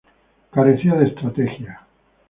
Carecía de estrategia.